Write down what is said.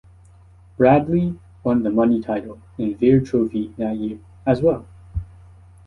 Bradley won the money title and Vare Trophy that year, as well.